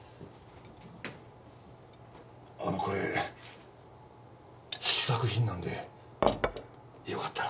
あのこれ試作品なんでよかったら。